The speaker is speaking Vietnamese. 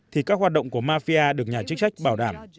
thì các hoạt động của mafia được nhà chức trách bảo đảm